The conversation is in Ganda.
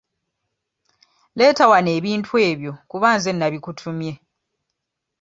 Leeta wano ebintu ebyo kuba nze nnabikutumye.